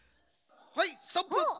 はいストップ。